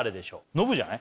ノブじゃない？